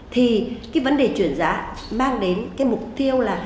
thì cái vấn đề chuyển giá mang đến cái mục tiêu là